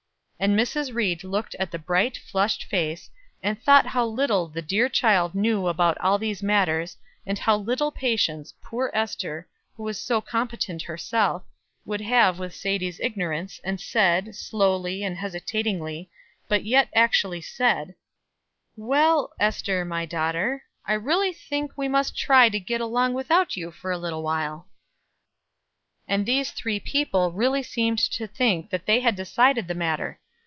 And Mrs. Ried looked at the bright, flushed face, and thought how little the dear child knew about all these matters, and how little patience poor Ester, who was so competent herself, would have with Sadie's ignorance, and said, slowly and hesitatingly, but yet actually said: "Well, Ester, my daughter, I really think we must try to get along without you for a little while!" And these three people really seemed to think that they had decided the matter.